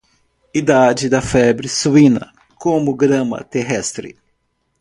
Idade da febre suína como grama terrestre.